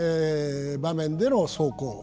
場面での走行。